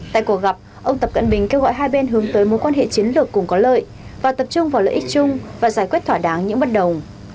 tại cuộc gặp ông tập cận bình kêu gọi hai bên hướng tới mối quan hệ chiến lược cùng có lợi và tập trung vào lợi ích chung và giải quyết thỏa đáng những bất đồng